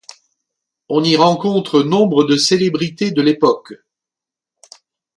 On y rencontre nombre de célébrités de l’époque.